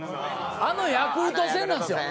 あのヤクルト戦なんですよ。